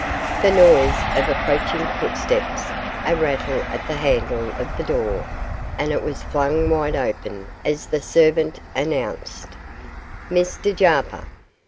The noise of approaching footsteps, a rattle at the handle of the door, and it was flung wide open as the servant announced 'Mr Jarper.